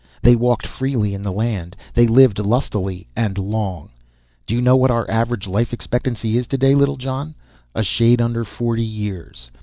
They walked freely in the land, they lived lustily and long. "Do you know what our average life expectancy is today, Littlejohn? A shade under forty years.